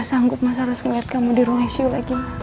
mas aku gak sanggup masih harus ngeliat kamu di ruhr reisju lagi mas